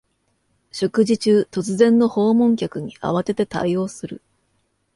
食事中、突然の訪問客に慌てて対応する